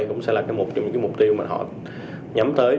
cũng sẽ là một trong những mục tiêu mà họ nhắm tới